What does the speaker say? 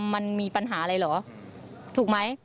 มันมีปัญหาอะไรเหรอถูกไหม